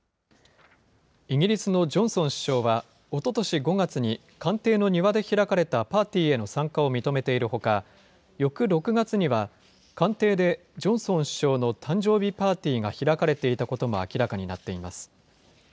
イギリスのジョンソン首相は、おととし５月に、官邸の庭で開かれたパーティーへの参加を認めているほか、翌６月には、官邸でジョンソン首相の誕生日パーティーが開かれていたことも明らかになっています。